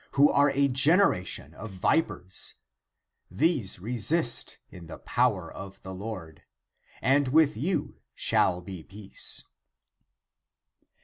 38. Who are a generation of vipers,38 39. These resist in the power of the Lord, 40. And with you shall be peace.